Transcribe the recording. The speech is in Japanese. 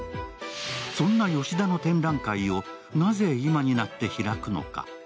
そんなヨシダの展覧会をなぜ今になって開くのか。